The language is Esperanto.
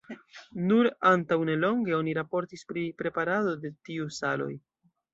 Nur antaŭnelonge oni raportis pri preparado de tiu saloj.